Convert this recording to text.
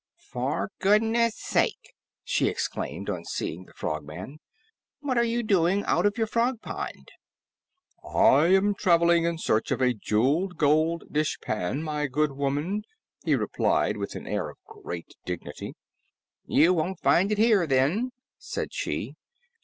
"For goodness sake!" she exclaimed on seeing the Frogman. "What are you doing out of your frog pond?" "I am traveling in search of a jeweled gold dishpan, my good woman," he replied with an air of great dignity. "You won't find it here, then," said she.